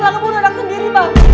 bang abang ada yang sendiri